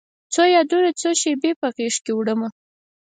څو یادونه، څو شیبې په غیږکې وړمه